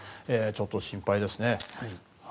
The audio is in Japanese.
ちょっと心配ですね。